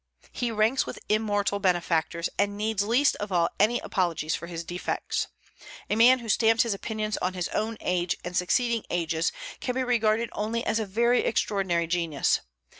He ranks with immortal benefactors, and needs least of all any apologies for his defects. A man who stamped his opinions on his own age and succeeding ages can be regarded only as a very extraordinary genius.